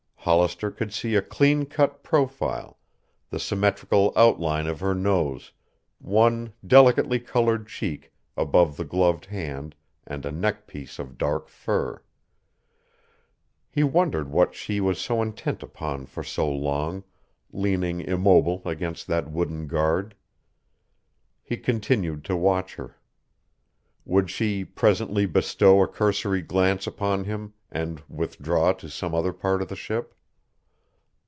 Hollister could see a clean cut profile, the symmetrical outline of her nose, one delicately colored cheek above the gloved hand and a neckpiece of dark fur. He wondered what she was so intent upon for so long, leaning immobile against that wooden guard. He continued to watch her. Would she presently bestow a cursory glance upon him and withdraw to some other part of the ship?